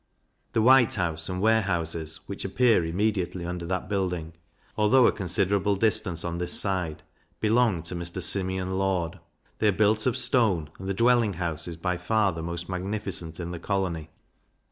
The White House and Warehouses, which appear immediately under that building, although a considerable distance on this side, belong to Mr. Simeon Lord; they are built of stone, and the dwelling house is by far the most magnificent in the colony.